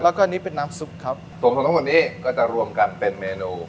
แล้วก็อันนี้เป็นน้ำซุปครับส่วนของทั้งหมดนี้ก็จะรวมกันเป็นเมนู